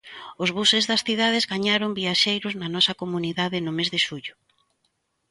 Os buses das cidades gañaron viaxeiros na nosa comunidade, no mes de xullo.